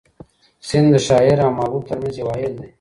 سیند د شاعر او محبوب تر منځ یو حایل دی.